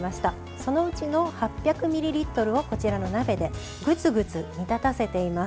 そのうちの８００ミリリットルをこちらの鍋でグツグツ煮立たせています。